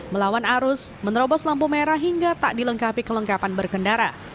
melawan arus menerobos lampu merah hingga tak dilengkapi kelengkapan berkendara